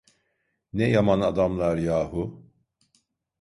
Ne yaman adamlar yahu…